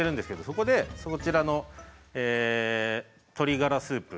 そこでそちらの鶏ガラスープ